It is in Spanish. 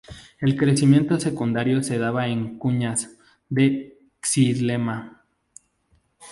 El crecimiento secundario se daba en "cuñas" de xilema.